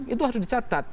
itu harus dicatat